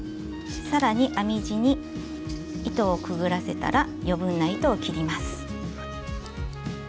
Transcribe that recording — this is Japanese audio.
さらに編み地に糸をくぐらせたら余分な糸を切ります。